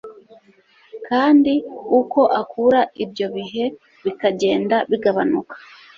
kandi uko akura ibyo bihe bikagenda bigabanuka